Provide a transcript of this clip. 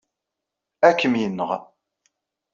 Ad kem-yenɣ.